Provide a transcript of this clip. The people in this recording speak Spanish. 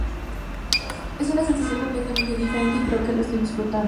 Es una sensación completamente diferente y creo que lo estoy disfrutando.